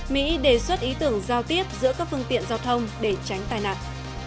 mỹ đề xuất ý tưởng giao tiếp giữa các phương tiện giao thông để tránh tai nạn